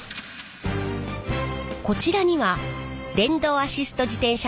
こちらには電動アシスト自転車